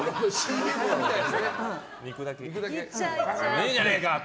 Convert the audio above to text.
ねえじゃねえか。